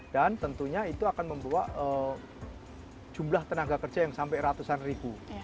dan tentunya itu akan membuat jumlah tenaga kerja yang sampai ratusan ribu